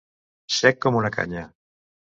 Sec com una canya.